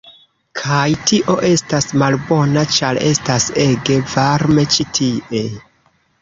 kaj tio estas malbona, ĉar estas ege varme ĉi tie